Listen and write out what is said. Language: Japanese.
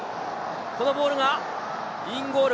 このボールはインゴール。